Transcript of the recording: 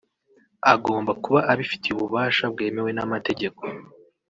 agomba kuba abifitiye ububasha bwemewe n’amategeko